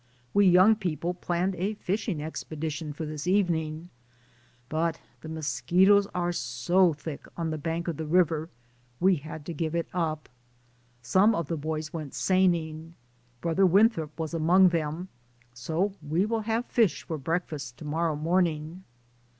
We young people planned a fishing expedition for this evening, but the mosquitoes are so thick on the bank of the river we had to give it up. Some of the boys went seining ; Brother Winthrop was among them, so we will have fish for breakfast to morrow morning.